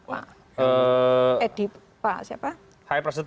pak edi pak siapa